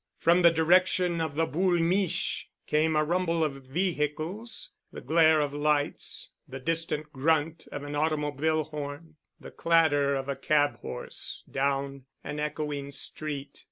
From the direction of the Boule' Miche' came a rumble of vehicles, the glare of lights, the distant grunt of an automobile horn, the clatter of a cab horse down an echoing street.